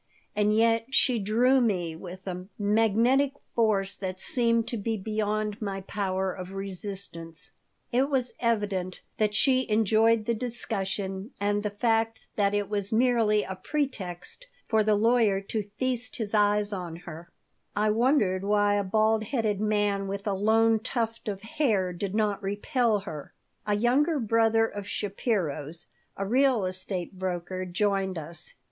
And yet she drew me with a magnetic force that seemed to be beyond my power of resistance It was evident that she enjoyed the discussion and the fact that it was merely a pretext for the lawyer to feast his eyes on her I wondered why a bald headed man with a lone tuft of hair did not repel her A younger brother of Shapiro's, a real estate broker, joined us.